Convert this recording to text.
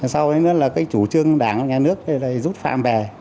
sau đó chủ trương đảng nhà nước rút phạm về